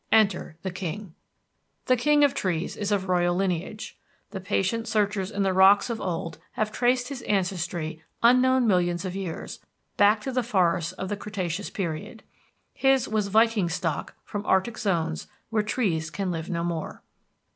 Enter the King. The King of Trees is of royal lineage. The patient searchers in the rocks of old have traced his ancestry unknown millions of years, back to the forests of the Cretaceous Period. His was Viking stock from arctic zones where trees can live no more.